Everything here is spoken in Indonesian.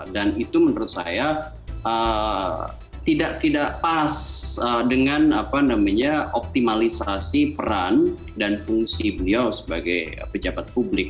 dan itu menurut saya tidak pas dengan optimalisasi peran dan fungsi beliau sebagai pejabat publik